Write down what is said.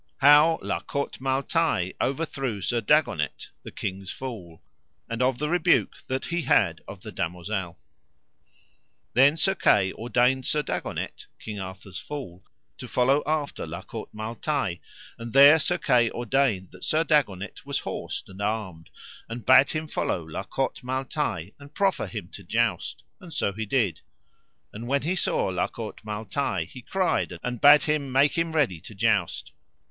How La Cote Male Taile overthrew Sir Dagonet the king's fool, and of the rebuke that he had of the damosel. Then Sir Kay ordained Sir Dagonet, King Arthur's fool, to follow after La Cote Male Taile; and there Sir Kay ordained that Sir Dagonet was horsed and armed, and bade him follow La Cote Male Taile and proffer him to joust, and so he did; and when he saw La Cote Male Taile, he cried and bade him make him ready to joust.